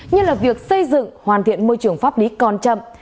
như là việc xây dựng hoàn thiện môi trường pháp lý còn chậm